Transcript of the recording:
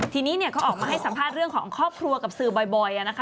ทีนี้เนี่ยเขาออกมาให้สัมภาษณ์เรื่องของครอบครัวกับสื่อบ่อยนะคะ